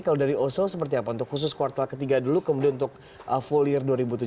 kalau dari oso seperti apa untuk khusus kuartal ketiga dulu kemudian untuk full year dua ribu tujuh belas